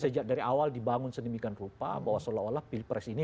sejak dari awal dibangun sedemikian rupa bahwa seolah olah pilpres ini